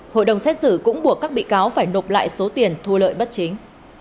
hội đồng xét xử cũng buộc các bị cáo phải nộp lại số tiền thu lợi bất chính